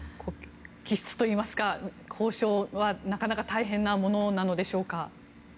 気質といいますか、交渉はなかなか大変なものなのでしょうか。